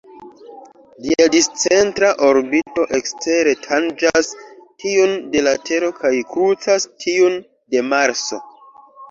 Ĝia discentra orbito ekstere tanĝas tiun de la Tero kaj krucas tiun de Marso.